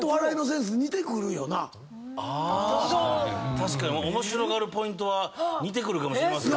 確かに面白がるポイントは似てくるかもしれません。